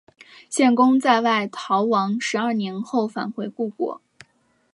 献公在外逃亡十二年后返回故国。